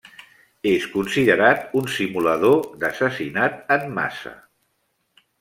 És considerat un simulador d'assassinat en massa.